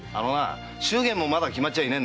祝言もまだ決まっちゃいねえんだ。